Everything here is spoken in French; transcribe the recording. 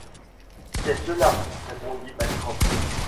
C’est cela, répondit Pencroff.